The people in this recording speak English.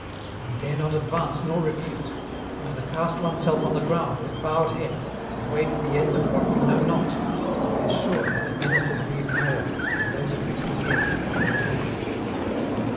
246 EN ROUTE. One dare not advance nor retreat ; rather cast oneself on the ground, with bowed head, and wait the end of what we know not, and be assured that the menaces we ignore, and those at which we guess, are removed.